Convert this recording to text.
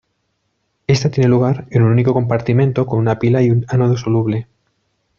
Esta tiene lugar en un único compartimento con una pila y un ánodo soluble.